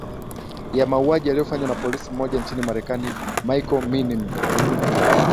ya mauwaji yaliofanywa na polisi mmoja nchini marekani michael minim